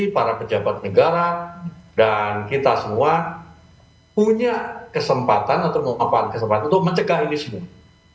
para pejabat negara dan kita semua punya kesempatan atau memanfaatkan kesempatan untuk mencegah ini semua